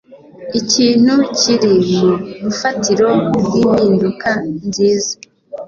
ikintu kiri mu rufatiro rw'impinduka nziza